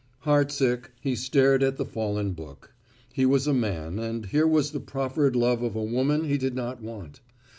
... Heartsick, he stared at the fallen book. He was a man, and here was the proffered love of a woman he did not want.